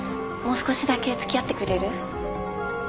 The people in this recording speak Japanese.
もう少しだけ付き合ってくれる？